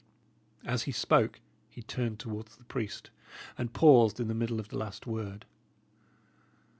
As he spoke, he turned towards the priest, and paused in the middle of the last word.